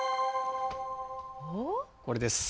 これです。